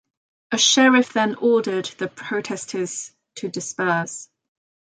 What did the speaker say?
A sheriff then ordered the protesters to disperse.